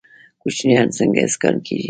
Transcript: کوچیان څنګه اسکان کیږي؟